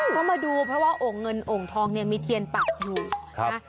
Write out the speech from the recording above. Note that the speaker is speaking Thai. ก็มาดูเพราะว่าโอ่งเงินโอ่งทองเนี่ยมีเทียนปักอยู่นะ